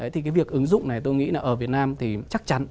thì cái việc ứng dụng này tôi nghĩ là ở việt nam thì chắc chắn